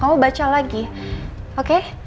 kamu baca lagi oke